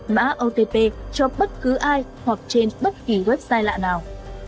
mã otp cho bất cứ ai hoặc trên bất kỳ website lạ nào